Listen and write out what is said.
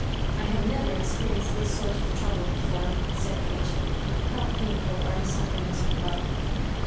"I have never experienced this sort of trouble before," said Genji; "how painful are the sufferings of love."